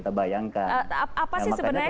apa sih sebenarnya kesulitan komunikasinya